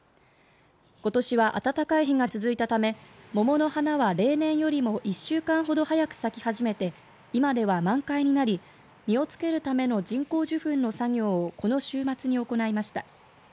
ことしは暖かい日が続いたため桃の花は例年よりも１週間ほど早く咲き始めて今では満開になり実をつけるための人工受粉の作業をこの週末に行いました。